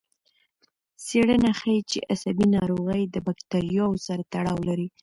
څېړنه ښيي چې عصبي ناروغۍ د بکتریاوو سره تړاو لري.